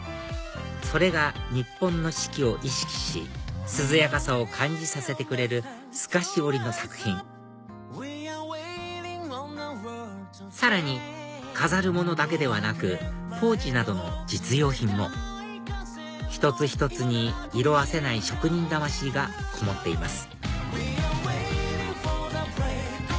それが日本の四季を意識し涼やかさを感じさせてくれる透かし織りの作品さらに飾るものだけではなくポーチなどの実用品も一つ一つに色あせない職人魂がこもっています